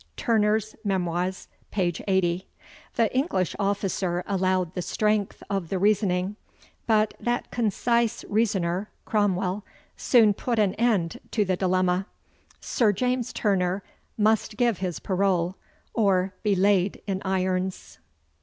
TURNER'S MEMOIRS, p. 80. The English officer allowed the strength of the reasoning; but that concise reasoner, Cromwell, soon put an end to the dilemma: "Sir James Turner must give his parole, or be laid in irons."